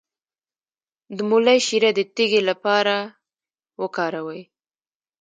د مولی شیره د تیږې لپاره وکاروئ